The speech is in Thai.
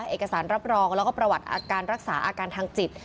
เอกสารรับรองแล้วก็ประวัติอาการรักษาอาการทางจิต